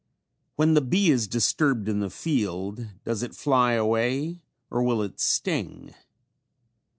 When the bee is disturbed in the field does it fly away or will it sting?